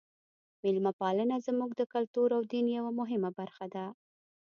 میلمه پالنه زموږ د کلتور او دین یوه مهمه برخه ده.